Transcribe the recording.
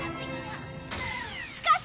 しかし。